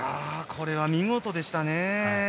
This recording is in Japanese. これは見事でしたね。